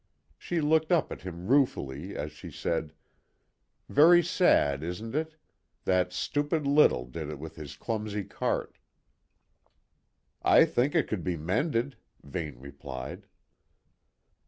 She looked up at him ruefully, as she said, "Very sad, isn't it? That stupid Little did it with his clumsy cart." "I think it could be mended," Vane replied.